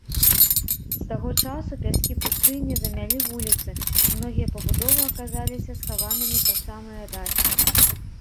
З таго часу пяскі пустыні замялі вуліцы, многія пабудовы аказаліся схаванымі па самыя дахі.